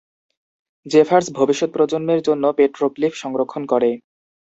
জেফার্স ভবিষ্যৎ প্রজন্মের জন্য পেট্রোগ্লিফ সংরক্ষণ করে।